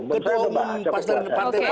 ketua umum pasar depan tn